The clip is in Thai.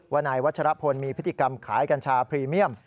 นายวัชรพลมีพฤติกรรมขายกัญชาพรีเมียม